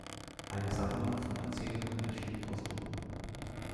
Eine Sammlung von Erzählungen erschien postum.